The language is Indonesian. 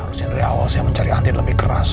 harusnya dari awal saya mencari andi yang lebih keras